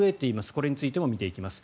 これについても見ていきます。